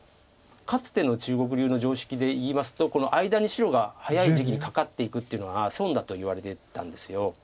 かつての中国流の常識でいいますとこの間に白が早い時期にカカっていくというのは損だといわれてたんです。